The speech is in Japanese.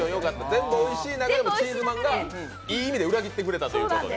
全部おいしい中でいい意味で裏切ってくれたということで。